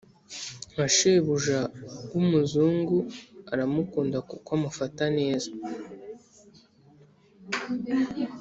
nka shebuja wumuzungu aramukunda kuko amufata neza